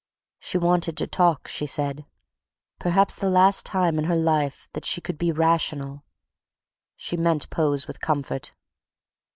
She wanted to talk, she said—perhaps the last time in her life that she could be rational (she meant pose with comfort).